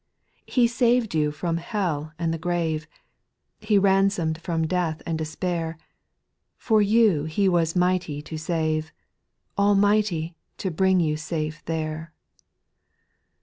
He saved you from hell and the grave — He ransomed from death and despair, For you He was mighty to save, Almighty to bring you safe there.